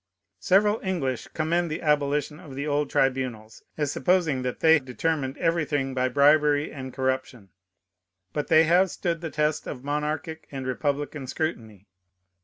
Several English commend the abolition of the old tribunals, as supposing that they determined everything by bribery and corruption. But they have stood the test of monarchic and republican scrutiny.